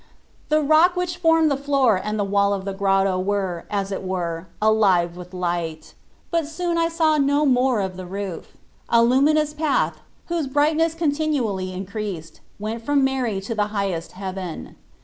The rock which formed the floor and the wall of the grotto were, as it were, alive with light. But soon I saw no more of the roof; a luminous path, whose bright ness continually increased, went from Mary to the highest heaven.